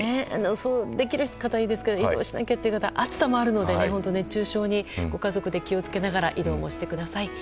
そうできる方はいいですけど移動しなきゃという方は暑さもあるので熱中症にご家族で気を付けながら移動をしてください。